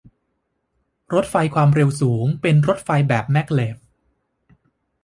รถไฟความเร็วสูงเป็นรถไฟแบบแม็กเลฟ